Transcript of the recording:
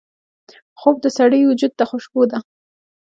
خوب د سړي وجود ته خوشبو ده